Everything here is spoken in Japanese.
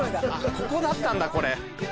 ここだったんだこれ。